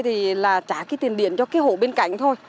trả tiền điện cho hộ bên cạnh thôi